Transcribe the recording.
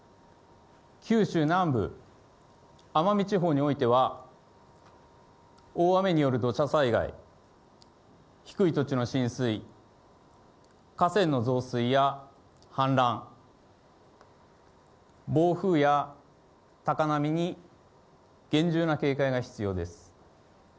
九州南部、奄美地方においては、大雨による土砂災害、低い土地の浸水、河川の増水や氾濫、暴風や高波に厳重な警戒が必要です。